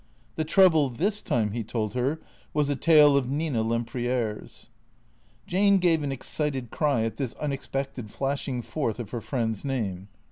The trouble, this time, he told her, was a tale of Nina Lem priere's. Jane gave an excited cry at this unexpected flashing forth of her friend's name.